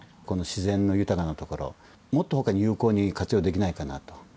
この自然の豊かなところをもっと他に有効に活用できないかなと。